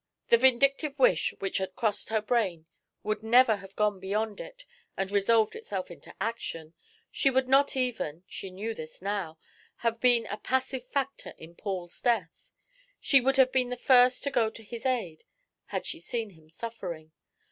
The vindictive wish which had crossed her brain would never have gone beyond it and resolved itself into action. She would not even she knew this now have been a passive factor in Paul's death; she would have been the first to go to his aid, had she seen him suffering.